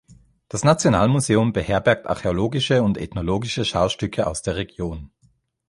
Das Nationalmuseum beherbergt archäologische und ethnologische Schaustücke aus der Region.